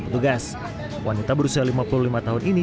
petugas wanita berusia lima puluh lima tahun ini